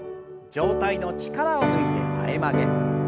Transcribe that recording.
上体の力を抜いて前曲げ。